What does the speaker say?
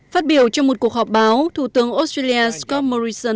phát biểu trong một cuộc họp báo thủ tướng australia scott morrison